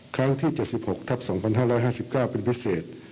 ครั้งที่๗๖ทับ๒๕๕๙เป็นพิเศษ